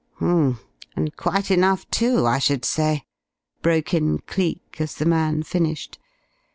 "H'm. And quite enough, too, I should say," broke in Cleek, as the man finished.